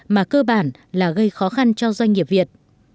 mà cơ bản là gây khó khăn cho doanh nghiệp việt